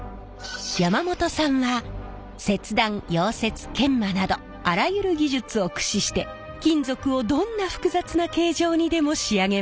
山本さんは切断溶接研磨などあらゆる技術を駆使して金属をどんな複雑な形状にでも仕上げます。